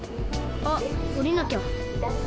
あっおりなきゃ。